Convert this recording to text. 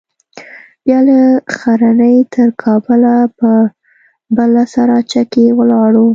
بيا له ښرنې تر کابله په بله سراچه کښې ولاړو.